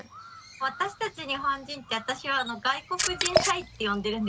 私たち日本人って私は外国人シャイって呼んでるんですけれども。